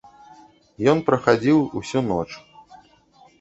Ён прахадзіў усю ноч.